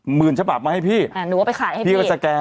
หมื่นชบาปมาให้พี่แอ่หนูว่าไปขายให้พี่